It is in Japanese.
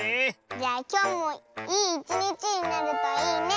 じゃあきょうもいいいちにちになるといいねえ！